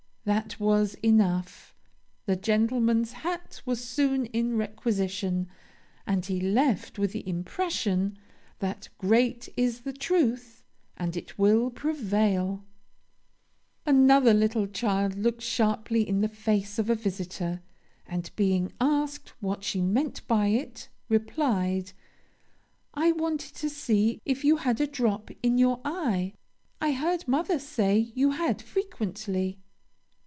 That was enough. The gentleman's hat was soon in requisition, and he left with the impression that 'great is the truth, and it will prevail.' "Another little child looked sharply in the face of a visitor, and being asked what she meant by it, replied, 'I wanted to see if you had a drop in your eye; I heard mother say you had frequently.'